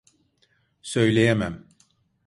Söyleyemem.